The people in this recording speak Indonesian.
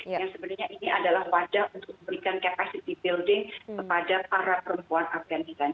yang sebenarnya ini adalah wadah untuk memberikan capacity building kepada para perempuan afganistan